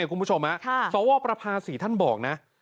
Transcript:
คุณผู้ชมสวประภาษีท่านบอกนะ